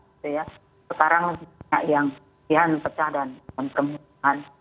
itu ya sekarang yang pecah dan pengembangan